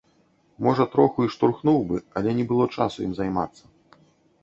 Можа троху і штурхнуў бы, але не было часу ім займацца.